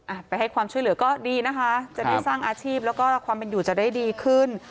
อ่ะไปให้ความช่วยเหลือก็ดีนะคะจะได้สร้างอาชีพแล้วก็ความเป็นอยู่จะได้ดีขึ้น